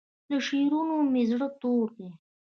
له شعرونو مې زړه تور دی